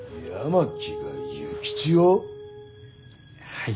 はい。